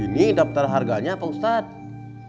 ini daftar harganya apa ustadz